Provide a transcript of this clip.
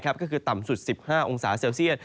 ก็คือต่ำสุด๑๕องศาเซลเซียต